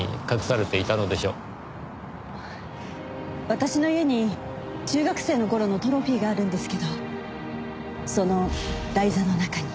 私の家に中学生の頃のトロフィーがあるんですけどその台座の中に。